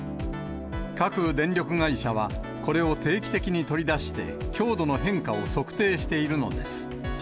各電力会社は、これを定期的に取り出して、強度の変化を測定しているのです。